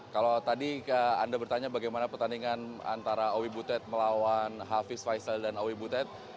kalau tadi anda bertanya bagaimana pertandingan antara owi butet melawan hafiz faisal dan owi butet